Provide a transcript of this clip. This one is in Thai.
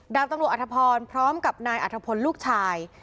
ดาบตำรวจอธพรพร้อมกับนายอัธพลลูกชาย